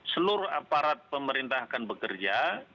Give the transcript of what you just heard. seluruh aparat pemerintah akan bekerja